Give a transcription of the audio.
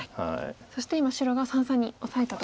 そして今白が三々にオサえたところですね。